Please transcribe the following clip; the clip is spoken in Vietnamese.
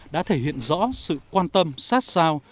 đã thể hiện rõ sự quan tâm sát sao